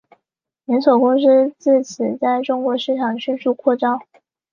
连锁公司自此在中国市场迅速扩张。